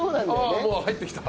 ああもう入ってきた。